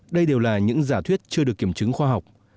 đây đều là những giả thuyết chưa được kiểm chứng khoa học